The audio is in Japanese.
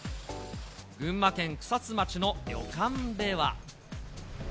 群馬県草津町の旅館では。